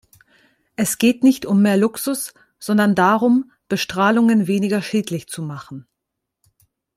Es geht nicht um mehr Luxus, sondern darum, Bestrahlungen weniger schädlich zu machen.